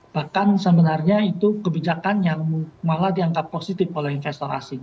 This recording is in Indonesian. bahkan sebenarnya itu kebijakan yang malah dianggap positif oleh investor asing